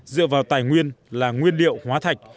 dựa vào tài nguyên là nguyên liệu hóa thạch